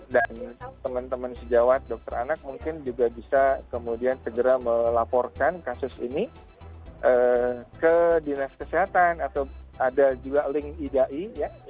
dan teman teman sejawat dokter anak mungkin juga bisa kemudian segera melaporkan kasus ini ke dinas kesehatan atau ada juga link idai ya